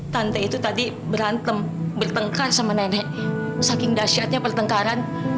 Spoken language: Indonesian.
tante itu tadi berantem bertengkar sama nenek saking dasyatnya pertengkaran